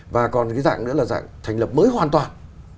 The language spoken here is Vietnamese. và còn cái dạng nữa là dạng thành lập mới hoàn toàn